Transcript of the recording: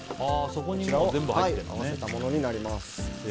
こちらを合わせたものになります。